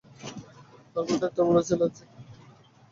তার পরেও ডাক্তার বলে অ্যালার্জি।